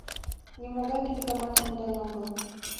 — Нимогай книгамат конден огыл.